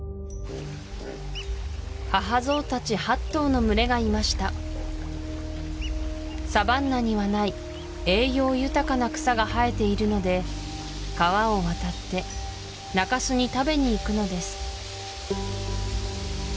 母ゾウたち８頭の群れがいましたサバンナにはない栄養豊かな草が生えているので川を渡って中州に食べにいくのです